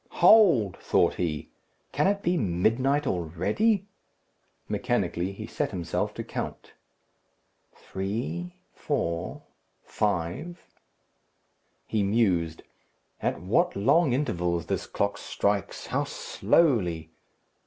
"Hold," thought he; "can it be midnight already?" Mechanically he set himself to count. "Three, four, five." He mused. "At what long intervals this clock strikes! how slowly!